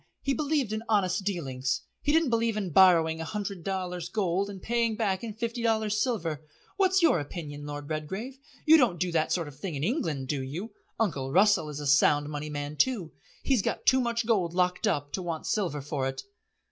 He believed in honest dealings. He didn't believe in borrowing a hundred dollars gold and paying back in fifty dollars silver. What's your opinion, Lord Redgrave; you don't do that sort of thing in England, do you? Uncle Russell is a Sound Money man too. He's got too much gold locked up to want silver for it."